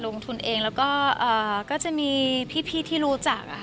ลงทุนเองแล้วก็จะมีพี่ที่รู้จัก